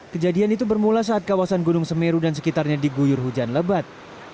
kejadian itu bermula saat kawasan gunung semeru dan sekitarnya diguyur hujan lebat